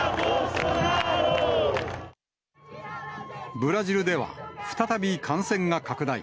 ブラジルでは再び感染が拡大。